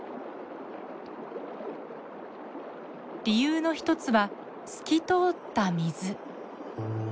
理由の一つは透き通った水。